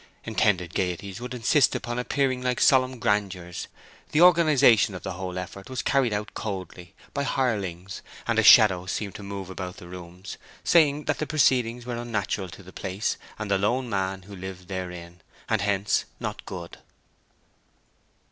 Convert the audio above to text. Intended gaieties would insist upon appearing like solemn grandeurs, the organization of the whole effort was carried out coldly, by hirelings, and a shadow seemed to move about the rooms, saying that the proceedings were unnatural to the place and the lone man who lived therein, and hence not good.